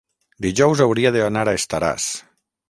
dijous hauria d'anar a Estaràs.